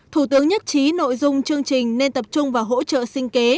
thủ tướng nhất trí nội dung chương trình nên tập trung vào hỗ trợ sinh kế